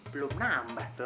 belum nambah tuh